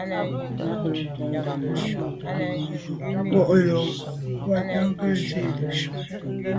Miaglo tù’ ngom am me nô num mata nke nzi neshu.